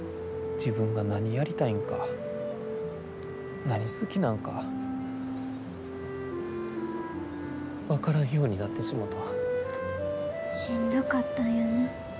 自分が何やりたいんか何好きなんか分からんようになってしもた。